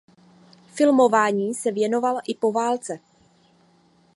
Filmování se věnoval i po válce.